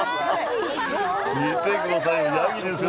見てくださいよ、ヤギですよ。